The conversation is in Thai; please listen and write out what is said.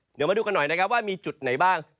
เดี๋ยวมาดูกันหน่อยนะครับว่ามีจุดไหนบ้าง